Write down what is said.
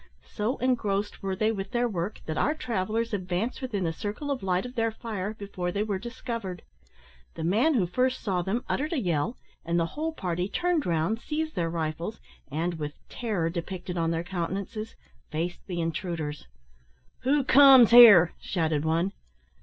So engrossed were they with their work, that our travellers advanced within the circle of light of their fire before they were discovered. The man who first saw them uttered a yell, and the whole party turned round, seized their rifles, and, with terror depicted on their countenances, faced the intruders. "Who comes here?" shouted one.